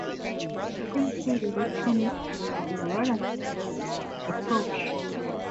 Printed electronics is a related approach.